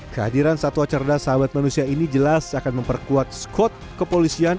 kehadiran satwa cerdas sahabat manusia ini jelas akan memperkuat skot kepolisian